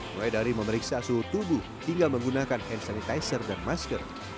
mulai dari memeriksa suhu tubuh hingga menggunakan hand sanitizer dan masker